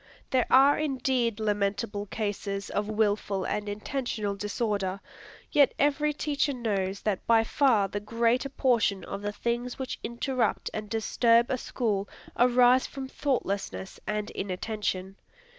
There are indeed lamentable cases of wilful and intentional disorder. Yet every teacher knows that by far the greater portion of the things which interrupt and disturb a school arise from thoughtlessness and inattention.